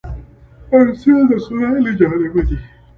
هر څه د خداى له جانبه دي ،